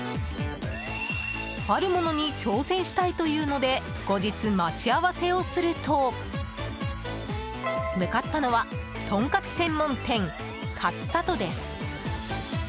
あるものに挑戦したいというので後日、待ち合わせをすると向かったのはとんかつ専門店、かつさとです。